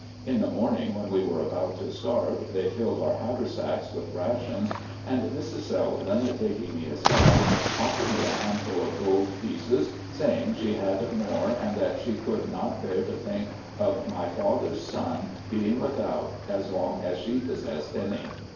In the morning, when we were about to start, they filled our haversacks with rations, and Mrs. Selden, taking me aside, offered me a handful of gold pieces, saying that she had more and that she could not bear to think of my father's son being without as long as she possessed any.